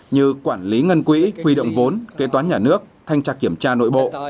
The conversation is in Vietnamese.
như quản lý ngân quỹ quy động vốn kế toán nhà nước thanh trạc kiểm tra nội bộ